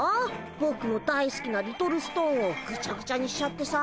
ぼくの大好きなリトルストーンをグチャグチャにしちゃってさ。